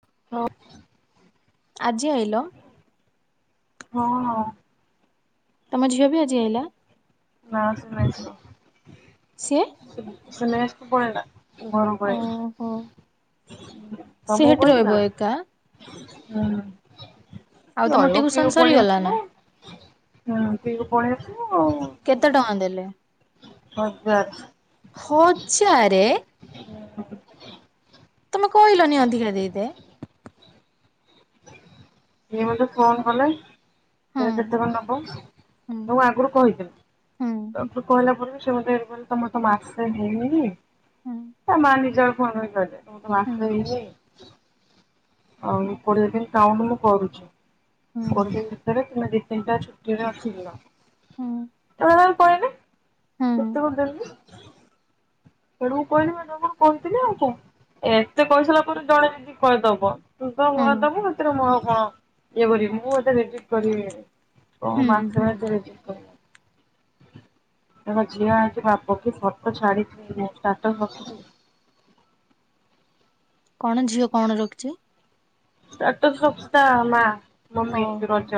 [unintelligible] ଆଜି ଆଇଲ? ହଁ ତମ ଝିଅ ବି ଆଜି ଆଇଲା? ମା ସହ ଯାଇଛି। ସିଏ ସେ ମେସ କୁ ପଳେଇଲା। ଘରକୁ ଓହୋ ପଳେଇଲା। ସେ ତମକୁ ହେଟି ରହିବ କହିଥିଲା ଏକା? ହୁଁ। ଆଉ ତମ ରହିବ ପିଇବ ଟିଉସନ ପଳେଇ ସରିଗଲା ନା? ଆସିବୁ ହୁଁ ପିଇବୁ ପଳେଇ ଆସିବୁ ଆଉ କେତେ କଣ। ଟଙ୍କା ଦେଲେ? ହଜାରେ। ହଜାରେ? ହୁଁ। ତମେ କହିଲନି ଅଧିିକା ଦେଇଦେ। ସେ ମତେ ଫୋନ କଲେ। ହୁଁ [unintelligible] ଯେତେବେଳେ ନବ ହୁଁ ତ ମୁଁ ଆଗରୁ କହିଥିଲି ହୁଁ ତ [unintelligible] କହିଲା ପରେ ବି। ସେ ମତେ ଏବେ କହିଲେ ତମର ତ ମାସେ ହେଇନି। ହୁଁ ଏ ମା ନିଜର ପୁଅ ନ ହେଇ ଖାଇଦେ। ତମର ତ ହୁଁ ମାସେ ହେଇନି [unintelligible] ଆଉ କୋଡିଏ ଦିନ କାଉଣ୍ଡ୍ ମୁଁ କରୁଛି ହୁଁ କୋଡିଏ ଦିନ ଭିତରେ ତମେ ଦି ତିନିଟା ଛୁଟିରେ ଅଛି ଦିନ। ହୁଁ [unintelligible] କହିନି ହୁଁ କେତେ ଗୋଟେ ଦେବି। ତେଣୁ କହିଲି [unintelligible] କହିିବି ଆଉ କ ଏତେ କହିସାରିଲା ପରେ ଜଣେ ଯଦି [unintelligible] କି କହିଦବ। ତୁ ତ ହୁଁ ମୁହଁ ଦବୁ, ସେଥିରେ ମୋର ଆଉ କଣ। ଇଏ ବୋଲି ମୁଁ ଏତେ [unintelligible] ଭେଟ କରିବି [unintelligible] ହଁ ହୁଁ [unintelligible] ମାସେ ହୁଁ ମାସରେ ଠିକ୍ କହିଲ ତାଙ୍କ ଝିଅ ଆସି ବାପ କି ଫଟୋ ଛାଡି [unintelligible] କଣ ଝିଅ କଣ ରଖିଛି ଷ୍ଟାଟସ୍ ଫଟୋ ତା ମା। ମମି ଓହୋ ହ ରଜ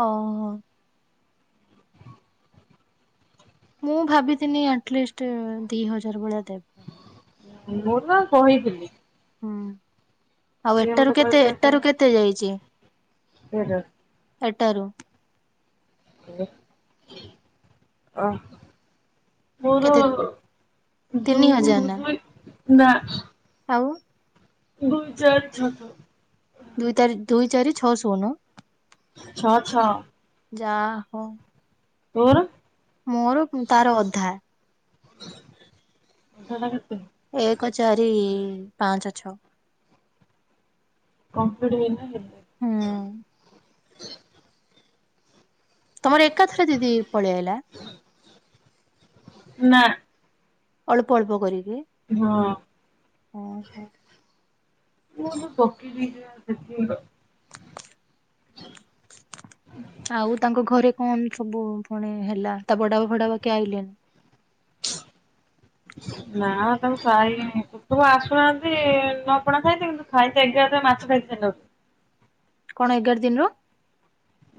ହୋ ହଁ ମୁଁ ଭାବଥିଲି ଆଟଲିଷ୍ଟ ଦି ହଜାର ଭଳିଆ ଦେବେ। ମୁଁ ତ କହିଥିଲି ହୁଁ। ଆଉ ସିଏ ଏଟାରୁ ମତେ କେତେ କହିଲେ ଏଟାରୁ ତମେ କେତେ ଯାଇଛି [unintelligible] ଏଟାରୁ ଅ ମୋର କେତେ ତିନି ହଜାର ଯୋଉ ନା [unintelligible] ନା। ଆଉ ଗୁଲଜାଛତୁ [unintelligible] ଦୁଇ ତାରି ଦୁଇ ଚାରି ଛଅ ଶୂନୁ ଛଅ ଛଅ ଯା ହୋଉ। ତୋର। ମୋର ତାର ଅଧା। ଜଣ କେତେ? ଏକ ଚାରି ପାଞ୍ଚ ଛଅ କମ୍ଫଟ ଦେଲେନି ନା। ହୁଁ। ତମର ଏକାଥରେ ଦିଦି ପଳେଇଆଇଲା। ନା। ଅଳ୍ପ ଅଳ୍ପ କରିକି। ହଁ। ଓହୋ ମୁ ସଖି ସେ [inaudible] ଆଉ ତାଙ୍କ ଘରେ କଣ ସବୁ ପୁଣି ହେଲା ତା ବଡାବାବା ଫଡାବାବା କେହି ଆଇଲେନି। ନା ତାକୁ ଖାଇ ତବୁ ଆସୁନାହାନ୍ତି ନ ପଣା ଖାଇଛି କିନ୍ତୁ ଖାଇତ ମାଛ ଖାଇଥା ନ କଣ ଏଗାର ଦିନରୁ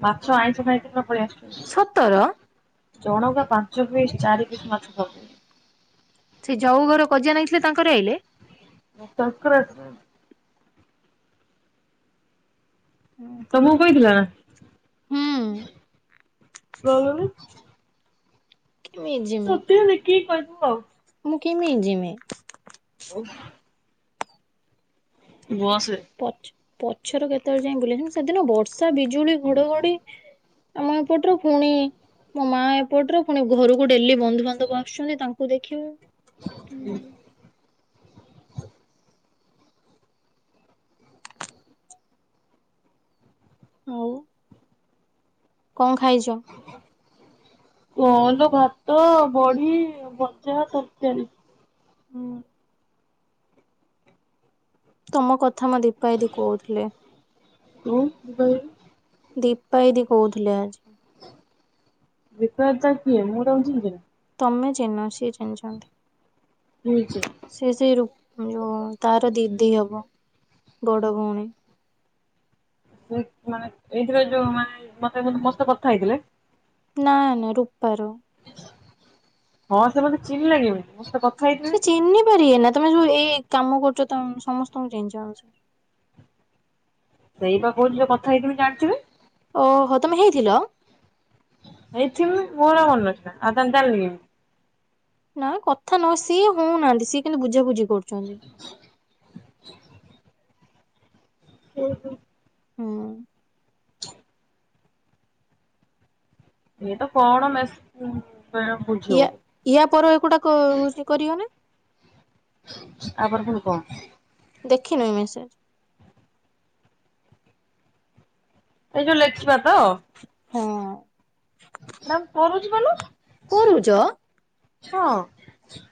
ମାଛ ଆଇଁସ ଖାଇ ପଳେଇ ଆସୁ ସତର ଚଣକା ପାଞ୍ଚ ପିସ୍ ଚାରି କିିସ୍ ମାଛ ଖଉଛନ୍ତି। ସେ ଯଉ ଘର କଜା ନେଇାଗଥିଲେ ତାଙ୍କର ଆଇଲେ କାଙ୍କରା ହୁଁ ତମକୁ କହିଥିଲା ନା। କେମିତି ଯିମି ତତି ନ କିି କହି ହଁ। ମୁଁ କେମି ଯିମି। ବସରେ। ପଛ ପଛର କେତେବେଳେ ଯାଇ ବୁଲ ସେଦିନ ବର୍ଷା ବିଜୁଳି ଘଡଘଡି ଆମ ଏପଟରୁ ପୁଣି ମୋ ମା ଏପଟରୁ ପୁଣି ଘରକୁ ଡେଲି ବନ୍ଧୁବାନ୍ଧବ ଆସୁଛନ୍ତି। ତାଙ୍କୁ ଦେଖିବ ଆଉ। କଣ ଖାଇଛ। କଣ ଭାତ ବଢି ବଜା ତରକାରୀ। ହଁ। ତମ କଥା ମା ଦୀପାଇଦି କହୁଥିଲେ। [unintelligible] ଦୀପା ଏଦି କହୁଥିଲେ ଆଜି। ଦୀପା ଦା କିଏ ମୁଁ ତାଙ୍କୁ ଚିହ୍ନିଛି ନା। ତମେ ଚିହ୍ନ ସିଏ ଚିହ୍ନିଛନ୍ତି। ନା କିଏ ସେଇ ସେଇ ରୁ ଯୋ ତାର ଦିଦି ହବ ବଡ ଭଉଣୀ। ସେ ମାନେ ଏଇଥିରେ ଯୋଉ ମାନେ ମତେ ମସ୍ତ କଥା ହେଇଥିଲେ। ନା ନା ରୂପାର। ହଁ ସେ ମୋତେ ଚିହିଁଲା କେମତି ମୋ ସହ କଥା ହେଇଥିଲେ ସେ ଚିହ୍ନି ପାରିବେ ନା ତମେ ଯୋଉ ଏଇ କାମ କରୁଛ ସମସ୍ତଙ୍କୁ। [unintelligible] ସେଇ ପା କହୁଛି ଯୋଉ କଥା [unintelligible] ଓହୋ ତମେ ହେଇଥିଲ? ହେଇଥିମି ମୋର ଆଉ ମନେ ନଥିଲା। ଆଉ ତାହାଲେ ଜାଣିଲି କେମିତି? ନା କଥା ନହ ସିଏ ହଉନାହାନ୍ତି ସିଏ କିନ୍ତୁ ବୁଝାବୁଝ କରୁଛନ୍ତି। ଉଁ ହୁଁ। ହଁ। ଇଏ ତ କଣ ମେସ୍ ବୁଝି ୟା ହଉନି ୟା ପର ଏକୁଟାକ ସେ କରିବ ନା। ଆପରେ ପୁଣି କଣ? ଦେଖିନୁ ଏ ମେସେଜ? ଏଇ ଯୋଉ ଲେଟ୍। [unintelligible] ହଁ। [unintelligible] କରୁଚ! ହଁ।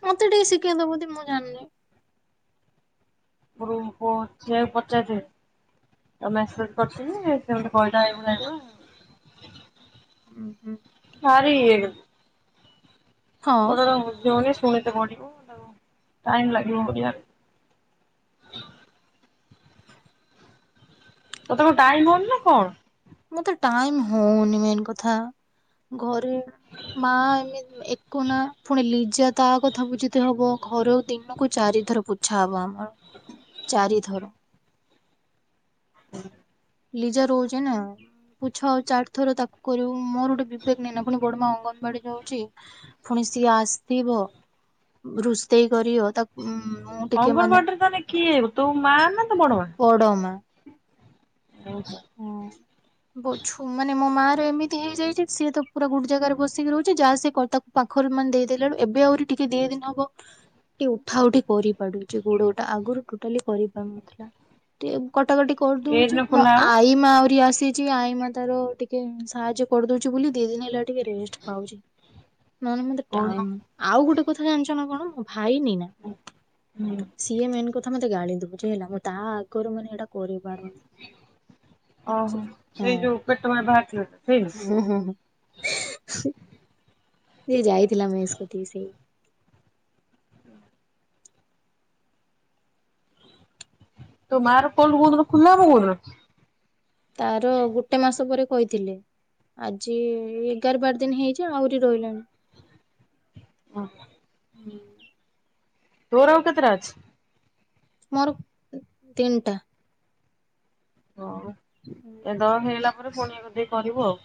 ମତେ ଟିକେ ଶିକ୍ କେଇ ଦବ ତି ମୁଁ ଜାଣିନି? [unintelligible] ସେଇୟା କୁ ପଚାରି ଦେ ମେସେଜ କରିଥିଲି ସେ ଗୋଟେ କହିଲା ଏଇଭଳିଆ ହେଇଥିବ। ଉଁ ହୁଁ। ଭାରି ଇଏ। ହଁ [unintelligible] ଫୁଣି ତ ବଢିବ ତାକୁ ଟାଇମ୍ ଲାଗିବ। [unintelligible] ତତେ କଣ ଟାଇମ୍ ହଉନି ନା କଣ? ମତେ ଟାଇମ ହଉନି ମେନ କଥା। ଘରେ ମା ଏମିତି ଏକ ନା ପୁଣି ଲିଜା ତା କଥା ବୁଝିତେ ହବ ଘର ଦିନକୁ ଚାରି ଥର ପୋଛାହବ ଆମର ଚାରିଥର। [inaudible] ଲିଜା ରହୁଛି ନା। ପୋଛା ହବ ଚାରି ଥର ତାକୁ କରିବୁ ମୋର ଗୋଟେ ବିବେକ ନାଇନା ପୁଣି ବଡମା ଅଙ୍ଗନବାଡି ଯାଉଛି ପୁଣି ସିଏ ଆସିଥିବ ରୋଷେଇ କରିବ ତାକୁ ମୁଁ ଟିକେ ମାନେ ଅଙ୍ଗନବାଡିରେ ତାହେନେ କିଏ ତୋ ମା ନା ତୋ ବଡମା? ବଡ ମା ହଁ ବହୁତ ଛୁ ମାନେ ମୋ ମା ଏମିତି ହେଇଯାଇଛି ସିଏ ତ ପୁରା ଗୋଟେ ଜାଗାରେ ବସିକି ରହୁଛି। ଯାହା ଖଟ ପାଖରୁ ଟିକେ ଦେଇଦେଲା ରୁ ଏବେ ଆହୁରି ଟିକେ ଦି ଦିନ ହବ ଟିକେ ଉଠା ଉଠି କରି ପାରୁଚି ଗୋଡଟା ଆଗରୁ ଟୋଟାଲି କରିପାରୁନଥିଲା ଟିକେ କଟାକଟି ଏଇ କରିଦଉଛି ଦିନ ମୁଁ ଖୋଲା ହବ ମା ଆହୁରି ଆସିଛି ଆଇ ମା ତାର ଟିକେ ସାହାଯ୍ୟ କରିଦଉଛି ବୋଲି ଦି ଦିନ ହେଲା ଟିକେ ରେଷ୍ଟ ପାଉଛି। ନହେନେ ମତେ କୋଉଦିନ ଟାଇମ୍ ମିଳୁନି ଆଉ ଗୋଟେ କଥା ଜାଣିଛ ନା କଣ? ଖାଇନି ନା ହୁଁ ସିଏ ମେନ୍ କରି କଥା ମୋତେ ଗାଡେଇ ଦଉଚି ହେଲା ମୁଁ ତା ଆଗରୁ ମାନେ ଏଇଟା କରିବି। ବାର ଓହୋ ସେଇ ଯୋଉ ପେଟ ମାନେ ବାହାରିଥିଲେ ତ ସେଇନ ସେ ଯାଇ ଥିଲା ମେସ କୁ ଠିକ୍ ସେ ତୋ ମାର ଫୋଲ୍ଡ କୋଉଦିନ ଖୋଲା ହବ କୋଉଦିନ? ତାର ଗୋଟେ ମାସ ପରେ ଖୋ କହିଥିଲେ ଆଜି ଏଗାର ବାର ଦିନ ହେଇଛି ଆହୁରି ରହିଲାଣି ହଁ। ହୁଁ। ତୋର ଆଉ କେତେଟା ଅଛି? ମୋର ତିନିଟା ହଁ ଏ ଦ ହେଇଗଲା ତାପରେ ପୁଣି ଆକୁ ଦେଇ କରିବୁ ଆଉ।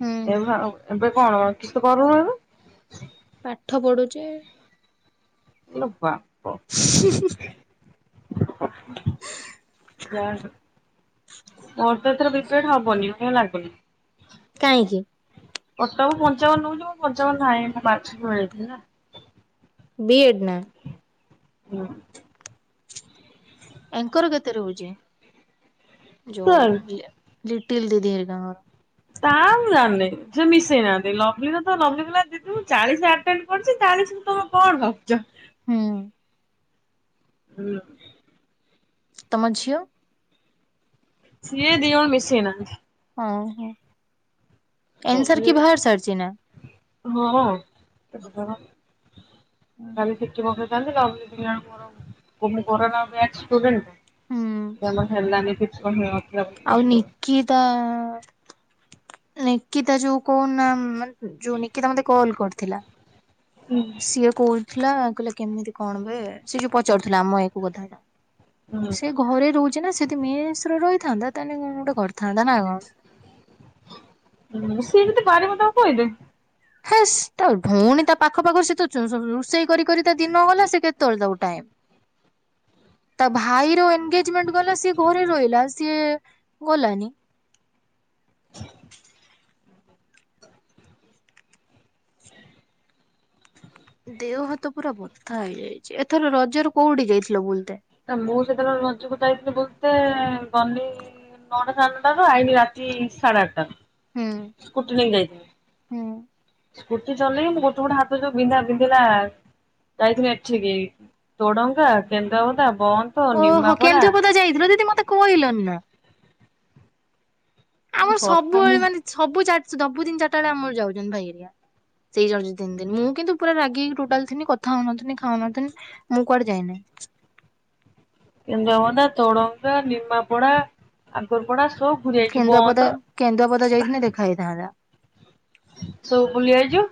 ହୁଁ ଏବେ ଏବେ କଣ ବା କିଛି ତ କରୁନୁ ଏବେ। ପାଠ ପଢୁଛି ଲୋ ବା [unintelligible] ଯାରତ ଏଥର ବେଶୀ ସେଟା ହବନି ମୋତେ ଲାଗୁନି। କାହିଁକି? ପଟାକୁ ପଞ୍ଚାବନ ନଉଛି ମୁଁ ପଞ୍ଚାବନ ନାହିଁ ବାଛଳାଇଥିଲି ନା ବିଏଡ଼୍ ନା ହୁଁ ଏଙ୍କର କେତେ ରହୁଛି। ଯଉ ସାର୍। ଲିଟିଲ ଦିଦିରା ଘର ତା ମୁଁ ଜାଣିନେଇ ସେ ମିଶେଇ ନାହାନ୍ତି ଲଭଲି ତ ଲଭଲିଦି ମୁଁ ଚାଲିସ ଆଟେନ କରିଛି ଚାଳିଶରୁ କଣ ନବ ଯା ହୁଁ ହୁଏ ଏମିତି ତମ ଝିଅ ସିଏ ଦି ଜଣ ମିଶେଇ ନାହାନ୍ତି ହଁ ହଁ ହଁ କାମ ସାରିକି ବାହାର ସାରିଛି ନା ଏ ଦିଜଣ କାଲି ସେତୁ ବନ୍ଧ [inaudible] କାଲି ଗଲି ଟିକେ ମୋର [unintelligible] ବ୍ୟାଚ୍ କୁ ଜାଣିଚୁ? ହୁଁ ଗଲା ହେଲାନି କି ସମୟ ଆପ ଆଉ ନିକିତା ନିକିତା ଯୋଉ କହୁନା ମାନ ଯୋଉ ନିକିତା ମତେ କଲ୍ କରିଥିଲା। ସିଏ କହୁଥିଲା କହିଲା କେମିତି କଣ ବେ ସେ ଯଉ ପଚାରୁଥିଲା ଆମ ଏକୁ କଥା ଟା। ରେ। ସେ ଘରେ ରହୁଚି ନା ସେ ଯଦି ମେଶରେ ରହି ଥାନ୍ତା ତାହେଲେ କଣ ଗୋଟେ କରଥାନ୍ତା ନା କଣ? ହୁଁ ସିଏ ବି ତ ବାରେ ମୁଁ ତାକୁ କହଦେବି। ହେସ ତା ଭଉଣୀ ତା ପାଖ ପାଖରୁ ସେତ ଚୁ ଚୁ ରୋଷେଇ କରି କରି ତା ଦିନ ଗଲା ସେ କେତେବେଳେ ତାକୁ ଟାଇମ୍ ତା ଭାଇର ଏନଗେଜମେଣ୍ଟ ଗଲା ସିଏ ଘରେ ରହିଲା ସିଏ ଗଲାନି। ଦେହ ହାତ ପୁରା ବଥା ହେଇଯାଇଚି ଏଥର ରଜର କୋଉଠି ଯାଇଥିଲ ବୁଲତେ? ମୁଁ ସେତେବେଳେ ରଜକୁ ଯାଇଥିଲି ବୋଧ ହୁଏ ଗନି ନଅଟା ସାଢେ ନଟାରୁ ଆଇନି ରାତି ସାଢେ ଆଠଟାରୁ ହୁଁ ସ୍କୁଟି ନେଇ କି ଯାଇଥିଲି ହୁଁ ସ୍କୁଟି ଚଲେଇକି ମୁଁ ଗୋଟେ ଗୋଟେ ହାତ ଯୋଉ ବିନ୍ଧା ବିନ୍ଧିଲା ଯାଇଥିଲି ଏଠିକି ତୋଡଙ୍କା କେ ଓହୋ କେନ୍ଦୁପଦା ଯାଇଥିଲ ଦିଦି ମତେ କହିଲନି ନା। ଆମର କଥା ସବୁବେଳେ ମୁଁ ମାନେ ସବୁ ଚା ସବୁ ଦିନ ଚାରିଟା ବେଳେ ଆମର ଯାଉଛନ୍ତି ଭାଇ ଏରିଆ ସେଇ ଯାଉଛି ତିନି ଦିନ ମୁଁ କିନ୍ତୁ ପୁରା ରାଗିି ଟୋଟାଲ ଥିଲି କଥା ହଉନଥିଲି ଖାଉନଥିଲି ମୁଁ କୁଆଡେ ଯାଇନାହିଁ ଯମୁନା ତଡ଼ଙ୍ଗା ନିମାପଡ଼ା ଆକୁର୍ପଡ଼ା କେନ୍ଦୁଆପଦା କେନ୍ଦୁଆପଦା ଯାଇଥିନେ ଦେଖା ହେଇଥାନ୍ତା ସବୁ ବୁଲି ଯାଇଛୁ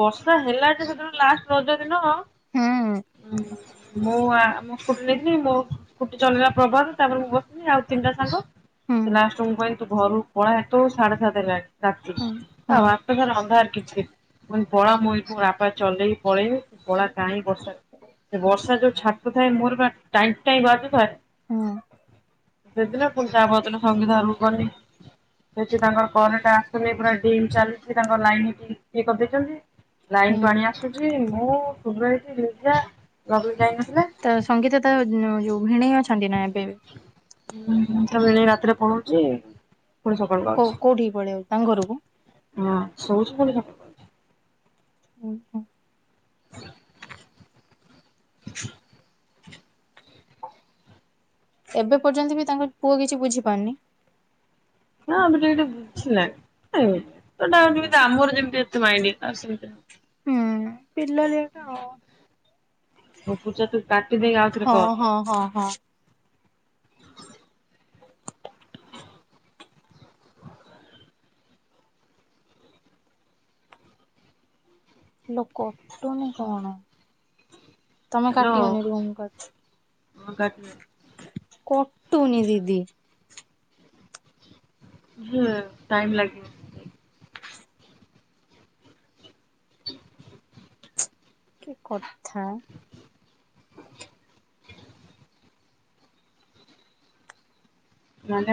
ବର୍ଷା ହେଲା ଯେ ସେତେବେଳେ ଲାଷ୍ଟ ରଜ ଦିନ- ହୁଁ ମୁଁ ଆ ମୁଁ ସ୍କୁଟି ନେଇଥିବି ମୁଁ ଗୋଟେ ଚଲିଲା ପ୍ରଭାତ ତାପରେ ମୁଁ ବସିିଥିନୀ ଆଉ ତିନିଟା ସାଙ୍ଗ ହୁଁ ସେ ଲଷ୍ଟ ମୋବାଇଲ ତୁ ଘରୁ ପଳା ଏଠୁ ସାଢ଼େ ସାତ ହେଲାନି ଆଉ ହୁଁ ହୁଁ ବାଟ ସାରା ଅନ୍ଧାର ମୁଁ କହିନି ପଳା ମୁ ଏଇଠୁ ରାପା ଚଲେଇ ପଳେଇବି ପଳା କାହିଁକି ବର୍ଷା ସେ ବର୍ଷା ଯୋଗୁଁ [unintelligible] ମୋର ଟାଇମ ଟାଇମ ବାଯୁଥାଏ ହୁଁ ସେଦିନ ପୁଣି ତା ଆରଦିନ ସଙ୍ଗୀତା ଘରକୁ ଗନି ସେଠି ତାଙ୍କର କରେଣ୍ଟ - ତମେ ପୁରା ଡିମ୍ ଚାଲିଛି ତାଙ୍କର ଲାଇନ ଇଏ କରିଦେଇଛନ୍ତି ଲାଇନ୍ ହୁଁ ପାଣି ଆସୁଛି। ମୁଁ [unintelligible] ତ ସଙ୍ଗୀତ ତା ଯୋଉ ଭିଣେଇ ଅଛି। ଛନ୍ତି ନା ଏବେ। ହୁଁ ତା ଭିଣେଇ ରାତିରେ ପଳଉଛି। ପୁଣି ସକାଳକୁ ଆଉଛି। କୋଉ କୋଉଠି ପଳେଇ ଆଉ? ତାଙ୍କ ଘର କୁ। ହଁ ଶଉଛି ଫୁଣି [unintelligible] ଓହୋ [inaudible] ଏବେ ପର୍ଯ୍ୟନ୍ତ ବି ତାଙ୍କ ପୁଅ କିଛି ବୁଝି ପାରୁନି। ହଁ ଏବେ ଟିକେ ଟିକେ ବୁଝିଲାଣି। [unintelligible] ତ ନାଁ ଯେମିତି ଆମର ଯେମିତି ଅଛି। ତମାଇଡି ଆଉ ସେଇଟା ହୁଁ ପିଲାଳିଆ ତ ପୁକୁ ଚାତୁର କାଟି ଦେଇ ଆଉଥରେ କର। ହଁ ହଁ ହଁ ଲୋ କଟୁନି କଣ? ତମେ ହ୍ୟାଲୋ କାଟିଓନି ରୁହ ମୁଁ କାଟୁଛି। ହଁ କାଟିଦେ [inaudible] କଟୁନି ଦିଦି। ହଁ ଟାଇମ ଲାଗିବ। କି କଥା। [inaudible] ମାନେ